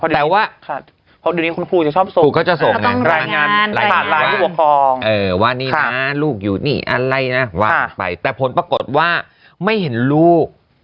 แต่ว่าครูก็จะส่งเนี่ยรายงานว่านี่นะลูกอยู่นี่อะไรนะว่างไปแต่ผลปรากฏว่าไม่เห็นลูก